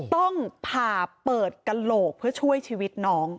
ต้องผ่าเปิดกระโหลกเพื่อช่วยชีวิตน้อง